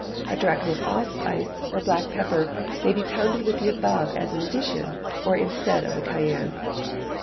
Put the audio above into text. A drachm of allspice, or black pepper, may be pounded with the above as an addition, or instead of the cayenne.